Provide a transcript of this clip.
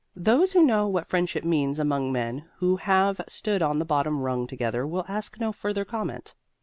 Those who know what friendship means among men who have stood on the bottom rung together will ask no further comment.